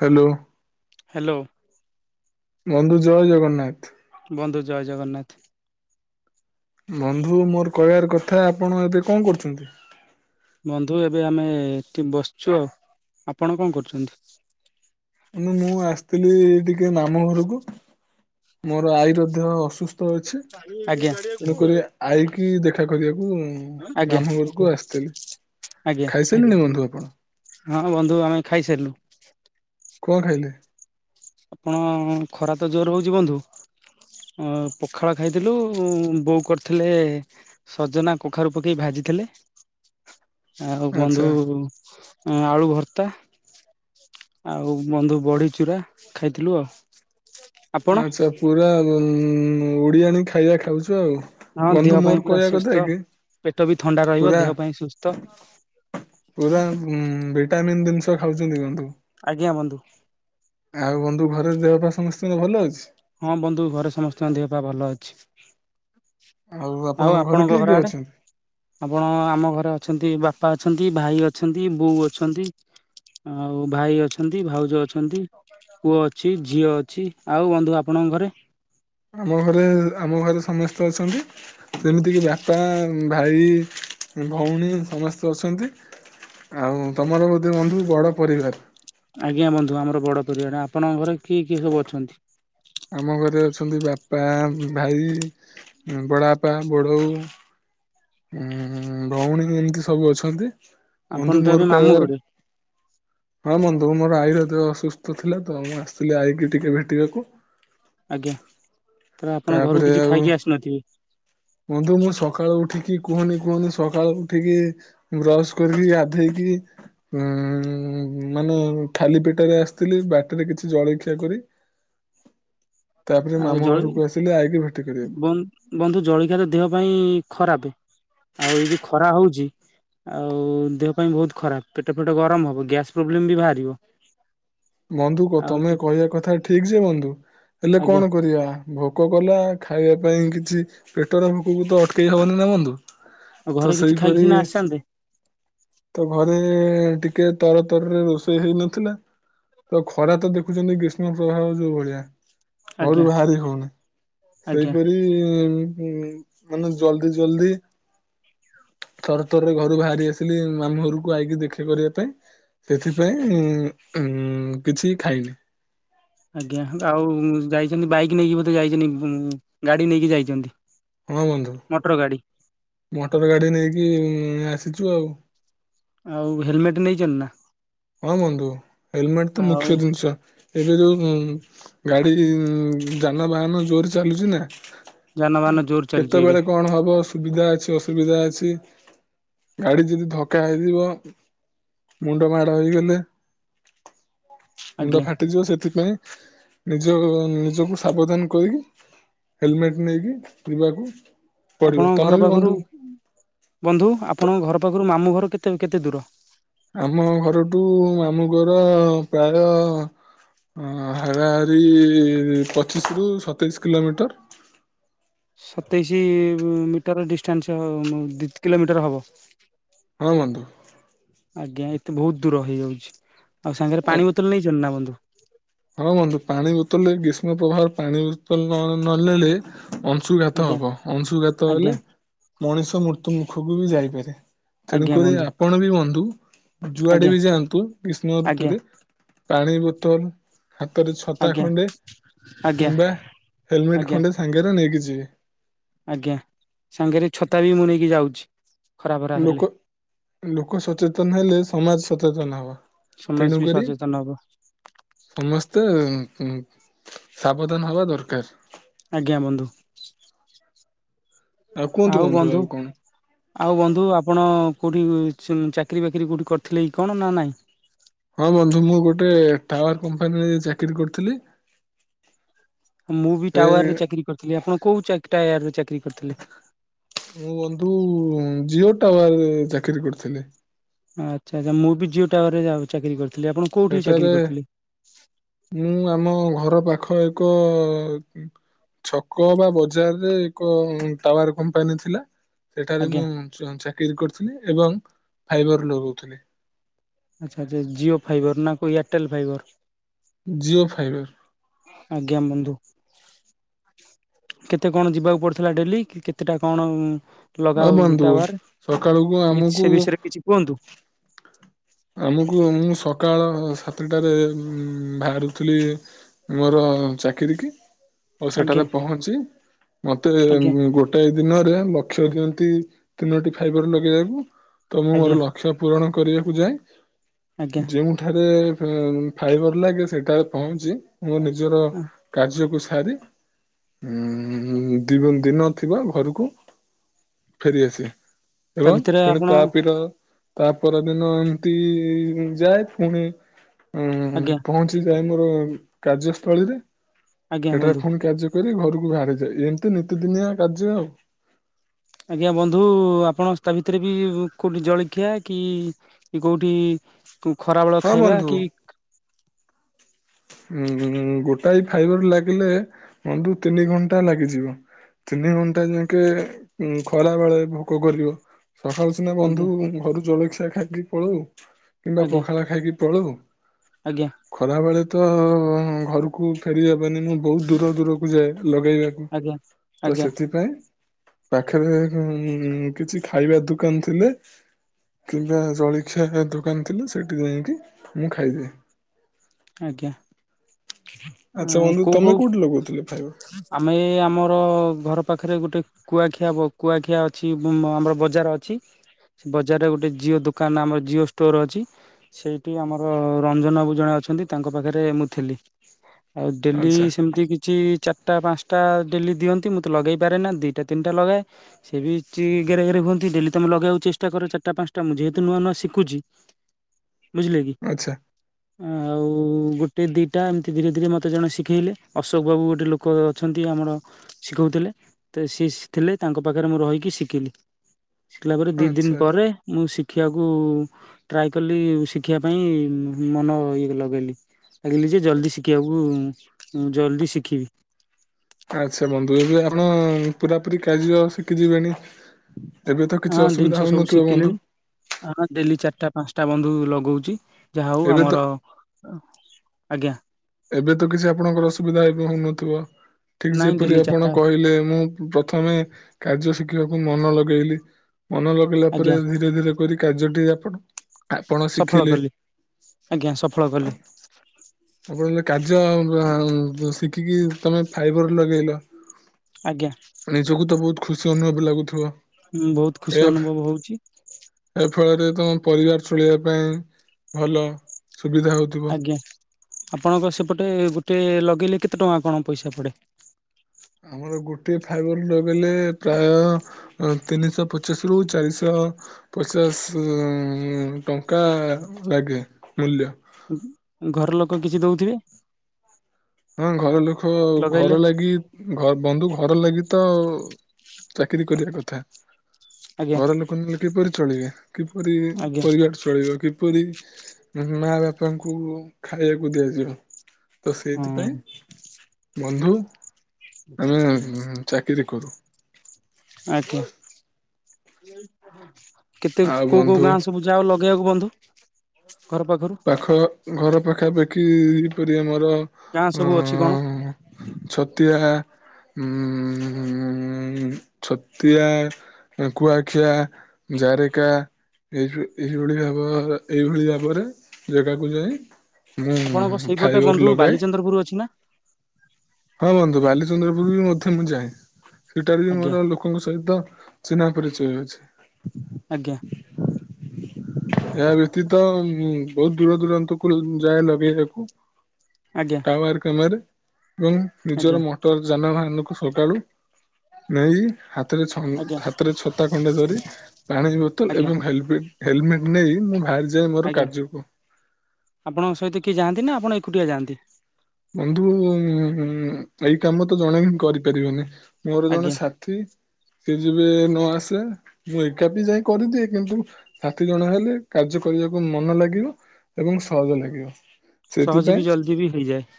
Hello. Hello. ବନ୍ଧୁ ଜୟ ଜଗନ୍ନାଥ। ବନ୍ଧୁ ଜୟ ଜଗନ୍ନାଥ। ବନ୍ଧୁ ମୋର କହିବାର କଥା ଆପଣ ଏବେ କଣ କରୁଛନ୍ତି? ବନ୍ଧୁ ଏବେ ଆମେ ଏଠି ବସିଛୁ ଆଉ ଆପଣ କଣ କରୁଛନ୍ତି? ମୁଁ ମୁଁ ଆସିଥିଲି ଟିକେ ମାମୁଁ ଘରକୁ ମୋର ଆଈର ଦେହ ଅସୁସ୍ଥ ଅଛି। ଆଜ୍ଞା। ତେଣୁକରି ଆଈ କି ଦେଖା କରିବାକୁ ଆଜ୍ଞା ମାମୁଁ ଘରକୁ ଆସିଥିଲି। ଆଜ୍ଞା ଖାଇସାରିଲେଣି ବନ୍ଧୁ ଆପଣ? ହଁ ବନ୍ଧୁ ଆମେ ଖାଇସାରିଲୁ। କଣ ଖାଇଲେ? ଆପଣ ଖରାତ ଜୋର୍ ହଉଛି ବନ୍ଧୁ। ପଖାଳ ଖାଇଥିଲୁ ବୋଉ କରିଥିଲେ ସଜନା କଖାରୁ ପକେଇ ଭାଜିଥିଲେ। ହ [unintelligible] ଆଉ ବନ୍ଧୁ ଆଳୁ ଭର୍ତ୍ତା ଆଉ ବନ୍ଧୁ ବଢ଼ି ଚୁରା ଖାଇଥିଲୁ ଆଉ। ଆପଣ ଆଚ୍ଛା ପୁରା ଓଡିଆଣି ଖାଇବା ଖାଉଚ ଆଉ। ହଁ ବନ୍ଧୁ ଦେହ ମୋର ପାଇଁ ପୁରା କହିବା କଥା ସୁସ୍ଥ କି ପେଟ ବି ଥଣ୍ଡା ରହିବ ପୁରା ଦେହ ପାଇଁ ସୁସ୍ଥ। ପୁରା ଭିଟାମିିନ୍ ଜିନିଷ ଖାଉଚନ୍ତି ବନ୍ଧୁ। ଆଜ୍ଞା ବନ୍ଧୁ। ଆଉ ବନ୍ଧୁ ଘରେ ଦେହ ପା ସମସ୍ତଙ୍କ ଭଲ ଅଛି? ହଁ ବନ୍ଧୁ ଘରେ ସମସ୍ତଙ୍କ ଦେହ ପା ଭଲ ଅଛି। ଆଉ ଆପଣଙ୍କ ଘରେ କିଏ-କିଏ ଅଛନ୍ତି? ଆପଣ ଆମ ଘରେ ଅଛନ୍ତି ବାପା ଅଛନ୍ତି ଭାଇ ଅଛନ୍ତି ବୋଉ ଅଛନ୍ତି ଆଉ ଭାଇ ଅଛନ୍ତି ଭାଉଜ ଅଛନ୍ତି ପୁଅ ଅଛି ଝିଅ ଅଛି, ଆଉ ବନ୍ଧୁ ଆପଣଙ୍କ ଘରେ? ଆମ ଘରେ ଆମ ଘରେ ସମସ୍ତେ ଅଛନ୍ତି। ଯେମ୍ତିକି ବାପା ଭାଇ ଭଉଣୀ ସମସ୍ତେ ଅଛନ୍ତି। ଆଉ ତମର ମଧ୍ୟ ବନ୍ଧୁ ବଡ ପରିବାର? ଆଜ୍ଞା ବନ୍ଧୁ ଆମର ବଡ଼ ପରିବାର, ଆପଣଙ୍କ ଘରେ କିଏ-କିଏ ସବୁ ଅଛନ୍ତି? ଆମ ଘରେ ଅଛନ୍ତି ବାପା ଭାଇ ବଡ଼ ବାପା ବଡ଼ଉ। ଉଁ ଭଉଣୀ ଏମ୍ତି ସବୁ ଅଛନ୍ତି। ଆପଣ ବନ୍ଧୁ ତ ଏବେ ମୋର ମାମୁଁ କହିବାର ଘରେ ହଁ ବନ୍ଧୁ ମୋର ଆଈ ର ଦେହ ଅସୁସ୍ଥ ଥିଲା ତ, ମୁଁ ଆସିଥିଲି ଆଈକି ଟିକେ ଭେଟିବାକୁ। ଆଜ୍ଞା। ତାହେଲେ ଆପଣ ଘରକୁ ତାପରେ କିଛି ଆଉ ଖାଇକି ଆସିନଥିବେ ବନ୍ଧୁ ମୁଁ ସକାଳୁ ଉଠିକି କୁହନି-କୁହନି ସକାଳୁ ଉଠିକି ବ୍ରଶ୍ କରିକି ଗାଧେଇକି ଉଁ ମାନେ ଖାଲି ପେଟରେ ଆସିଥିଲି, ବାଟିରେ କିଛି ଜଳଖିଆ କରି ତାପରେ ଆଉ ମାମୁଁ ଜଳି ଘରକୁ ଆସିଲି, ଆଇକି ଭେଟି କରିବାକୁ। ବନ୍ଧୁ ଜଳଖିଆ ଟା ଦେହ ପାଇଁ ଖରାପେ, ଆଉ ଏଇ ଯୋଉ ଖରା ହଉଚି ଆଉ ଦେହ ପାଇଁ ବହୁତ୍ ଖରାପ୍, ପେଟ ଫେଟ ଗରମ୍ ହବ ଗ୍ୟାସ୍ ପ୍ରୋବ୍ଲେମ ବି ବାହାରିବ। ବନ୍ଧୁ ଆଉ ତମେ କହିବା କଥା ଠିକ ଯେ ବନ୍ଧୁ ହେଲେ ଆଜ୍ଞା କଣ କରିବା? ଭୋକ କଲା ଖାଇବା ପାଇଁ କିଛି ପେଟର ଭୋକକୁ ତ ଅଟକେଇ ହବନି ନା ବନ୍ଧୁ। ଆଉ ଘରେ ତ କିଛି ଖାଇକି ସେଇପରି ସିନା ଆସିଥାନ୍ତେ ତ ଘରେ ଟିକେ ତର ତରରେ ରୋଷେଇ ହେଇନଥିଲା। ତ ଖରା ତ ଦେଖୁଛନ୍ତି ଗ୍ରୀଷ୍ମ ପ୍ରବାହ ଯୋଉ ଭଳିଆ। ଘରୁ ଆଜ୍ଞା ବାହାରି ହଉନି, ଆଜ୍ଞା। ସେଇପରି ମାନେ ଜଲଦି-ଜଲଦି ତର ତରରେ ଘରୁ ବାହାରି ଆସିଲି ମାମୁଁ ଘରକୁ ଆଇକି ଦେଖା କରିବା ପାଇଁ। ସେଥିପାଇଁ ଉଁ କିଛି ଖାଇନି। ଆଜ୍ଞା ଆଉ ଯାଇଚନ୍ତି ବାଇକ୍ ନେଇକି ବୋଧେ ଯାଇଚନ୍ତି ଗାଡି ନେଇକି ଯାଇଚନ୍ତି। ହଁ ବନ୍ଧୁ। ମୋଟର ଗାଡ଼ି। ମୋଟର ଗାଡି ନେଇକି ଆସିଚୁ ଆଉ। ଆଉ ହେଲମେଟ୍ ନେଇଚନ୍ତି ନା? ହଁ ବନ୍ଧୁ ହେଲମେଟ୍ ତ ଆଉ ମୁଖ୍ୟ ଜିନିଷ। ଏବେ ଯୋଉ ଗାଡି ଯାନବାହାନ ଜୋର ଚାଲୁଛି ନା। ଯାନବାହାନ ଜୋର ଚାଲିଛି ଏବେ କେତେବେଳେ କଣ ହବ ସୁବିଧା ଅଛି ଅସୁବିଧା ଅଛି ଗାଡି ଯଦି ଧକ୍କା ହେଇଯିବ। ମୁଣ୍ଡ ମାଡ ହେଇଗଲେ ମୁଣ୍ଡ ଆଜ୍ଞା। ଫାଟ କଟିଯିବ ସେଥିପାଇଁ ନିଜ ନିଜକୁ ସାବଧାନ କରିକି। ହେଲମେଟ ନେଇକି ପିଇିବାକୁ ପଡିବ ଆପଣଙ୍କ ଘର ତମେ ବି ପାଖରୁ ବନ୍ଧୁ ବନ୍ଧୁ ଆପଣଙ୍କ ଘର ପାଖରୁ ମାମୁଁ ଘର କେତେ କେତେ ଦୂର? ଆମ ଘରଠୁ ମାମୁ ଘର ପ୍ରାୟ ହ ହାରାହାରି ପଚିଶ ରରୁ ସତେଇଶ କିଲୋମିଟର। ସତେଇଶ ମିଟର ଡିଷ୍ଟାନ୍ସ କିଲୋମିଟର ହବ। ହଁ ବନ୍ଧୁ। ଆଜ୍ଞା ଏତେ ବହୁତ ଦୂର ହେଇଯାଉଛି ଆଉ ସାଙ୍ଗରେ ପାଣି ବୋତଲ ନେଇଛନ୍ତି ନା ବନ୍ଧୁ? ହ ବନ୍ଧୁ ପାଣି ବୋତଲରେ ଗ୍ରୀଷ୍ମ ପ୍ରଭାର ପାଣି ବୋତଲ ନ ନେଲେ। ଅଂଶୁଘାତ ଆଜ୍ଞା ହବ ଅଂଶୁଘାତ ହେଲେ ଆଜ୍ଞା ମଣିଷ ମୃତ୍ୟୁ ମୁଖକୁ ବି ଯାଇପାରେ। ଆଜ୍ଞା ତେଣୁକରି ବନ୍ଧୁ ଆପଣ ବି ବନ୍ଧୁ ଯୁଆଡେ ଆଜ୍ଞା ବି ଯାଆନ୍ତୁ ଗ୍ରୀଷ୍ଣ ଆଜ୍ଞା ଋତୁରେ ପାଣି ବୋତଲ ହାତରେ ଛତା ଆଜ୍ଞା ଖଣ୍ଡେ ଆଜ୍ଞା କିମ୍ବା ହେଲମେଟ ଆଜ୍ଞା ଖଣ୍ଡେ ସାଙ୍ଗରେ ନେଇକି ଯିବ। ଆଜ୍ଞା ସାଙ୍ଗରେ ଛତା ବି ମୁଁ ନେଇକି ଯାଉଛି। ଖରା ଫରା ହେଲେ ଲୋକ ଲୋକ ସଚେତନ ହେଲେ ସମାଜ ସଚେତନ ହବ। ସମାଜ ବି ତେଣୁକରି ସଚେତନ ହବ। ସମସ୍ତେ ସାବଧାନ ହବା ଦରକାର। ଆଜ୍ଞା ବନ୍ଧୁ। ଆଉ ବନ୍ଧୁ ଆଉ ବନ୍ଧୁ ଆପଣ କେଉଁଠି ଚାକିରିୀ ବାକିରି କେଉଁଠି କରିଥିଲେ କଣ ନା ନାହିଁ? ହଁ ବନ୍ଧୁ ମୁଁ ଗୋଟେ ଟାୱାର କମ୍ପାନୀରେ ଚାକିରି କରିଥିଲି ମୁଁ ବି ସେ ଟାୱାର ରେ ଚାକିରି କରିଥିଲି ଆପଣ କୋଉ ଟାୟାର ରେ ଚାକିରି କରିଥିଲେ? ମୁଁ ବନ୍ଧୁ ଜିଓ ଟାୱାର ଚାକିରି କରିଥିଲି। ଆଚ୍ଛା ଆଚ୍ଛା ମୁଁ ବି ଜିଓ ଟାୱାରରେ ଚାକିରି କରିଥିଲି ଆପଣ କୋଉଠି ଚାକିରି ସେଠାରେ କରିଥିଲେ ମୁଁ ଆମ ଘର ପାଖ ଏକ ଛକ ବା ବଜାରରେ ଏକ ଟାୱାର କମ୍ପାନୀ ଥିଲା। ସେଠାରେ ଆଜ୍ଞା? ମୁଁ ଚାକିରି କରିଥିଲି ଏବଂ ଫାଇବର ଲଗଉଥିଲି। ଆଚ୍ଛାା ଜିଓ ଫାଇବର ନା କ ଏୟାରଟେଲ ଫାଇବର? ଜିଓ ଫାଇବର୍। ଆଜ୍ଞା ବନ୍ଧୁ। କେତେ କଣ ଯିବାକୁ ପଡିଥିଲା ଡେଲି କେତେଟା କଣ? ହଁ ଲଗାଉ ବନ୍ଧୁ ଟାୱାର ସକାଳକୁ କି ଆମକୁ ସେ ବିଷୟରେ କିଛି କୁହନ୍ତୁ ଆମକୁ ମୁଁ ସକାଳ ସାତଟାରେ ବାହାରୁଥିଲି ମୋର ଚାକିର କି ଆଉ ସେଠାରେ ଆଜ୍ଞା ପହଞ୍ଚି ମତେ ଆଜ୍ଞା ଗୋଟେ ଗୋଟେ ଦିନରେ ଲକ୍ଷ୍ୟ ଦିଅନ୍ତି ତିନୋଟି ଫାଇବର ଲଗେଇଦକୁ ତ ମୁଁ ଆଜ୍ଞା ମୋର ଶିକ୍ଷା ପୂରଣ କରିବାକୁ ଯାଏଁ। ଆଜ୍ଞା। ଯେଉଁଠାରେ ଫାଇବର ଲାଗେ ସେଠାରେ ପହଞ୍ଚି ମୋ ନିଜର କାର୍ଯ୍ୟକୁ ସାରି ଉ ଦ ଦିନ ଥିବା ଘରକୁ ଫେରିଆସେ। ତା ଏବଂ ଭିତରେ ପୁଣି ଆପଣ ତାପିର ତା ପରଦିନ ଯାଏ ପୁଣି ଉ ଆଜ୍ଞା ପହଞ୍ଚି ଜି ଯାଇ ମୋର କାର୍ଯ୍ୟସ୍ଥଳୀରେ ଆଜ୍ଞା ସେଠାରେ ବନ୍ଧୁ ପୁଣି କଯ୍ୟ କରି ଘରକୁ ବାହାରିଯାଏ ଏମିତି ନିତିଦିନିଆ କାର୍ଯ୍ୟ ଆଉ। ଆଜ୍ଞା ବନ୍ଧୁ ଆପଣ ତା ଭିତରେ ବି କୋଉଠି ଜଳଖିଆ କି କି କୋଉଠି ଖରାବେଳ ହଁ ଖାଇବା ବନ୍ଧୁ କି ଉଁ ଗୋଟାଏ ଫାଇବର ଲାଗିଲେ ମୁ ତିନି ଘଣ୍ଟା ଲାଗିଯିବ। ତିନି ଘଣ୍ଟା ଯାଙ୍କେ ଖରା ବେଳେ ଭୋକ କରିବ। ସକାଳୁ ସିନା ବନ୍ଧୁ ଆଜ୍ଞା ଘରୁ ଜଳଖିଆ ଖାଇ ଦେଇ ପଳଉ କିମ୍ବା ଆଜ୍ଞା ପଖାଳ ଖାଇକି ପଳଉ ଆଜ୍ଞା ଖରା ବେଳେ ତ ଘରକୁ ଫେରିବା ପାଇଁ ମୁଁ ବୋହୁତ୍ ଦୂର ଦୂରକୁ ଯାଏ ଲଗେଇବାକୁ ଆଜ୍ଞା ତ ଆଜ୍ଞା ସେଥିପାଇଁ ପାଖରେ କିଛି ଖାଇବା ଦୋକାନ ଥିଲେ କିମ୍ବା ଜଳଖିଆ ଦୋକାନ ଥିଲା ସେଇଠି ଯାଇକି ମୁଁ ଖାଇଦିଏ। ଆଜ୍ଞା। ଆଚ୍ଛା ଅ ବନ୍ଧୁ କୋଉ କୋଉ ତମେ କୋଉଠି ଲଗଉଥିଲ ଫାଇବା? ଆମେ ଆମର ଘର ପାଖରେ ଗୋଟେ କୁଆଖିଆ କୁଆଖିଆ ଅଛି ଆମର ବଜାର ଅଛି। ସେ ବଜାରରେ ଗୋଟେ ଜିଓ ଦୋକାନ ଆମର ଜିଓ ଷ୍ଟୋର ଅଛି। ସେଇଠି ଆମର ରଞ୍ଜନ ବାବୁ ଜଣେ ଅଛନ୍ତି। ତାଙ୍କ ପାଖରେ ମୁଁ ଥିଲି। ଆଉ ଡେଲି ଆଚ୍ଛା ସେମିତି କିଛି ଚାରିଟା ପାଞ୍ଚଟା ଡେଲି ଦିଅନ୍ତି ମୁଁ ତ ଲଗାଇପାରେ ନା ଦୁଇଟା ତିନିଟା ଲଗାଏ। ସିଏ ବି କିଛି ଗେରେ, ଗେରେ ହୁଅନ୍ତି ଡେଲି ତମେ ଲଗେଇବାକୁ ଚେଷ୍ଟ କର ଚାରିଟା ପାଞ୍ଚଟା। ଯେହେତୁ ମୁଁ ନୂଆ, ନୂଆ ଶିଖୁଛି [inaudible] ବୁଝିଲେ କି ଆଚ୍ଛା ଆଉ ଗୋଟେ ଦିଟା ଏମିତି ଧୀରେ ଧୀରେ ମୋତେ ଜଣେ ଶିଖେଇଲେ ଅଶୋକ ବାବୁ ଗୋଟେ ଲୋକ ଅଛନ୍ତି ଆମର ଶିଖଉଥିଲେ, ତ ସିଏ ଥିଲେ ତାଙ୍କ ପାଖରେ ମୁଁ ରହିକି ଶିଖିଲି। ଶିଖିଲା ପରେ ଦି ଦିନ ଆଚ୍ଛା ଆଚ୍ଛା। ପରେ ମୁଁ ଶିଖିବାକୁ ଟ୍ରାଏ କଲି ଶିଖିବା ପାଇଁ ମନ ଲଗେଇଲି, ଲଗିଲି ଯେ ଜଲଦି ଶିଖିବାକୁ ଜଲ୍ଦି ଶିଖିବି। ଆଚ୍ଛା ବନ୍ଧୁ, ଏ ଆପଣ ପୁରାପୁରି କାଯ୍ୟ ଶିଖି ଯିବେଣି? ଏବେ ତ କିଛି ଅସୁବିଧା ଜିନିଷ ସବୁ ହଉନଥିବ ଶିଖିଲିଣି ବନ୍ଧୁ? ହଁ ଡେଲି ଚାରିଟା ପାଞ୍ଚଟା ବନ୍ଧୁ ଲଗଉଛି, ଯାହା ହଉ ଏବେ ତ ଆମର ହ ଆଜ୍ଞା। ଏବେ ତ କିଛି ଆପଣଙ୍କର ଅସୁବିଧା ଏବେ ହଉନଥିବ ଠିକ୍ ନାଇଁ ଯେପରି ଡେଲି ଆପଣ ଚାରିଟା କହିଲେ ମୁଁ ପ୍ରଥମେ କାର୍ଯ୍ୟ ଶିଖିବାକୁ ମନ ଲଗେଇଲି। ମନ ଲଗେଇଲା ଆଜ୍ଞା ପରେ ଧୀରେ ଧୀରେ କରି କାର୍ଯ ଟି ଆପଣ ଆପଣ ସଫଳ ଶିଖିଲେ। କଲି। ଆଜ୍ଞା ସଫଳ କଲି। ଆପଣ କାର୍ଯ ଶିଖିକି ତମେ ଫାଇବର ଲଗେଇଲ। ଆଜ୍ଞା। ନିଜକୁ ତ ବୋହୁତ୍ ଖୁସି ଅନୁଭବ ଲାଗୁଥିବ। ହଁ ବୋହୁତ୍ ଖୁସି ଅନୁଭବ ହଉଛି। ଏ ଫଳରେ ତମ ପରିବାର ଚଳେଇବା ପାଇଁ ଭଲ ସୁବିଧା ହଉଥିବ। ଆଜ୍ଞା ଆପଣଙ୍କ ସେପଟେ ଗୋଟେ ଲଗେଇଲେ କେତେ ଟଙ୍କା କଣ ପଇସା ପଡେ? ଆମର ଗୋଟିଏ ଫାଇବର ଲଗେଇଲେ ପ୍ରାୟ ତିନିଶହ ପଚାଶ ରୁ ଚାରିଶହ ପଚାଶ ଟଙ୍କା ଲାଗେ ମୂଲ୍ୟ। ଘର ଲୋକ କିଛି ଦଉଥିବେ। ହଁ ଘର ଲୋକ ଲଗେଇଲେ ଘର ଲାଗି ଘ ବନ୍ଧୁ ଘର ଲାଗି ତ ଚାକିରି କରିବା କଥା ଆଜ୍ଞା ଘର ଲୋକ ଲୋକ ନଲେ କିପରି ଚଳିବେ କିପରି ଆଜ୍ଞା ପରିବାର ଚଳିବ କିପରି ମା ବାପାଙ୍କୁ ଖାଇବାକୁ ଦିଆଯିବ। ତ ହଁ ସେଇଥିପାଇଁ ବନ୍ଧୁ ଆମେ ଚାକିରି କରୁ। ଆଜ୍ଞା କେତେ ଆଉ କୋଉ କୋଉ ବନ୍ଧୁ ଗାଁ ସବୁ ଯାଅ ଲଗେଇବାକୁ ବନ୍ଧୁ ଘର ପାଖରୁ? ପାଖ ଘର ପାଖାପାଖି ଏହିପରି ଆମର ଗାଁ ଅ ସବୁ ଅଛି କଣ? ଛତିଆ ଉ ଛତିଆ। କୁଆଖିଆ ଜାରେକା ଏ ଏଇଭଳି ଭାବ ଏଇଭଳି ଭାବରେ ଜାଗାକୁ ଯାଇ ମୁଁ ଆପଣଙ୍କ ସେଇପଟେ ଫାଇବର ବନ୍ଧୁ ଲଗାଏ। ବାଲିଚନ୍ଦ୍ରପୁର ଅଛି ନା ହଁ ବନ୍ଧୁ ବାଲିଚନ୍ଦ୍ରପୁର ବି ମଧ୍ୟ ମୁଁ ଯାଏ ସେଟାରେ ବି ଆଜ୍ଞା ମୋର ଲ ଲୋକଙ୍କ ସହିତ ଚିହ୍ନା ପରିଚୟ ବି ଅଛି। ଆଜ୍ଞା। ଏହା ବ୍ୟତୀତ ଉ ବହୁତ ଦୂର ଦୂରାନ୍ତକୁ ଯାଏ ଲଗେଇବାକୁ। ଆଜ୍ଞା। [unintelligible] ଏବଂ ନିଜର ଆଜ୍ଞା ମଟର ଯାନବାହାନ କୁ ସକାଳୁ ନେଇ ହାତରେ ଛ ଆଜ୍ଞା ହାତରେ ଛତା କଣ୍ଡେ ଧରି ପାଣି ବୋତଲ ଆଜ୍ଞା ଏବଂ ହେଲମେଟ ହେଲମେଟ ନେଇ ମୁଁ ବାହାରି ଯାଏ ମୋର ଆଜ୍ଞା କାର୍ଯ୍ୟକୁ। ଆପଣଙ୍କ ସହିତ କିଏ ଯାଆନ୍ତି ନା ଆପଣ ଏକୁଟିଆ ଯାଆନ୍ତି? ବନ୍ଧୁ ଏଇ କାମ ତ ଜଣେ ହିଁ କରିପାରିବେନି। ମୋର ଜଣେ ଆଜ୍ଞା ସାଥି। ସିଏ ଯିବେ ନ ଆସେ ମୁଁ ଏକାପି ଯାଇ କରିଦିଏ କିନ୍ତୁ ସାଥି ଜଣେ ହେଲେ କାର୍ଯ୍ୟ କରିବାକୁ ମନ ଲାଗିବ ଏବଂ ସହଜ ଲାଗିବ। ସହଜ ବି ଜଲଦି ବି ହେଇଯାଏ।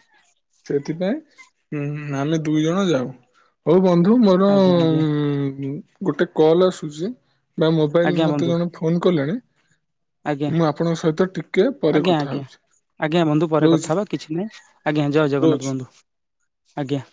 ସେଥିପାଇଁଁ ଉଁ ଆମେ ଦୁଇ ଜଣ ଯାଉ। ହଉ ବନ୍ଧୁ ମୋର ଆଜ୍ଞା ଆଜ୍ଞା ଉ ଗୋଟେ କଲ ଆସୁଛି। ବା ମୋବାଇଲ ଆଜ୍ଞା ମତେ ବନ୍ଧୁ ଜଣେ ଫୋନ କଲେଣି। ଆଜ୍ଞା ମୁଁ ଆପଣଙ୍କ ସହିତ ଟିକେ ପରେ ଆଜ୍ଞା କଥା ଆଜ୍ଞା ହଉଛି। ଆଜ୍ଞା ବନ୍ଧୁ ପରେ ରହୁଛି କଥା ହେବା କିଛି ନାହିଁ ଆଜ୍ଞା ଜୟ ଜଗନ୍ନାଥ ରହୁଛି। ବନ୍ଧୁ ଆଜ୍ଞା।